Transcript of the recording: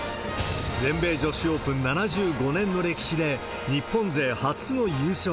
全米女子オープン７５年の歴史で、日本勢初の優勝。